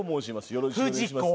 よろしくお願いします。